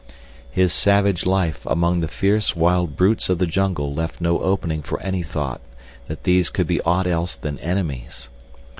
His savage life among the fierce wild brutes of the jungle left no opening for any thought that these could be aught else than enemies.